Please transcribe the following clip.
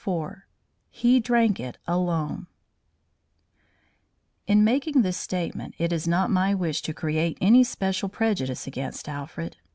IV "HE DRANK IT ALONE" In making this statement it is not my wish to create any special prejudice against Alfred.